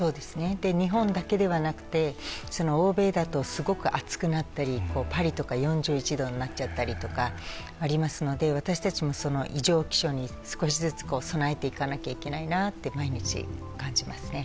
日本だけではなくて、欧米ですごく暑くなったり、パリとか４１度になっちゃったりとかありますので、私たちも異常気象に少しずつ備えていかなければいけないなと毎日感じますね。